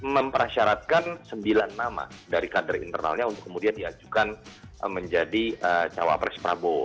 mempersyaratkan sembilan nama dari kader internalnya untuk kemudian diajukan menjadi cawapres prabowo